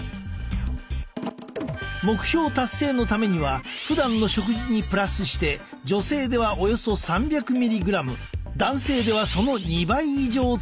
目標達成のためにはふだんの食事にプラスして女性ではおよそ３００ｍｇ男性ではその２倍以上追加したい。